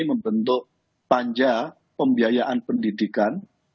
membentuk panja pembiayaan pendidikan